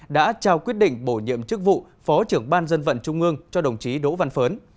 đã trao quyết định bổ nhiệm chức vụ phó trưởng ban dân vận trung ương cho đồng chí đỗ văn phớn